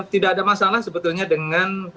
tidak ada masalah sebetulnya dengan